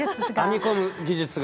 編み込む技術が。